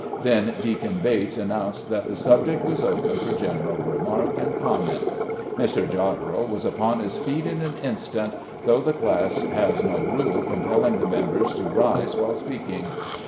Then Deacon Bates announced that the subject was open for general remark and comment. Mr. Jodderel was upon his feet in an instant, though the class has no rule compelling the members to rise while speaking.